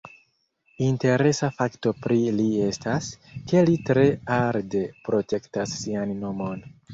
Interesa fakto pri li estas, ke li tre arde protektas sian nomon.